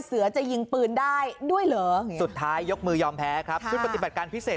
เสือจะยิงปืนได้ด้วยเหรอสุดท้ายยกมือยอมแพ้ครับชุดปฏิบัติการพิเศษ